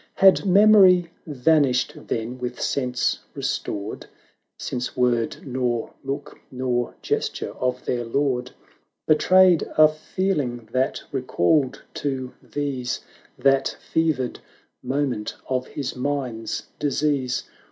270 Had Memory vanished then with sense restored ? Since word, nor look, nor gesture of their lord Betrayed a feeling that recalled to these That fevered moment of his mind's disease.